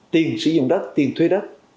tiền sử dụng đất tiền thuế đất